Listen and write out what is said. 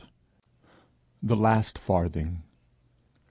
THE LAST FARTHING.